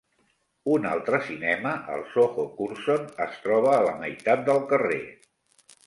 Un altre cinema, el Soho Curzon, es troba a la meitat del carrer.